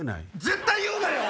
絶対言うなよ！